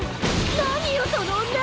何よその女！